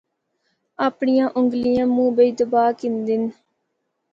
اپنڑیاں انگلیاں منہ بچ دبا گِھندے ہن۔